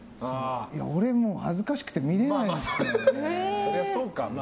俺、もう恥ずかしくて見れないですね。